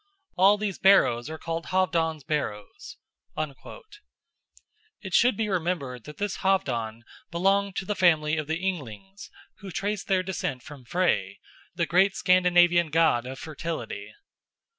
All these barrows are called Halfdan's barrows." It should be remembered that this Halfdan belonged to the family of the Ynglings, who traced their descent from Frey, the great Scandinavian god of fertility.